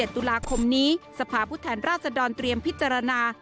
ตุลาคมนี้สภาพผู้แทนราชดรเตรียมพิจารณา